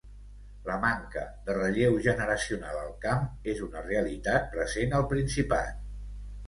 La manca de relleu generacional al camp és una realitat present al Principat.